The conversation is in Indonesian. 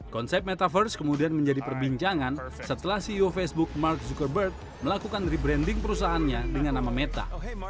konsep metaverse kemudian menjadi perbincangan setelah ceo facebook mark zuckerberg melakukan rebranding perusahaannya dengan nama meta